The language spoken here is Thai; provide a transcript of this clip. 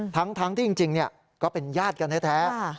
ทั้งที่จริงก็เป็นญาติกันแท้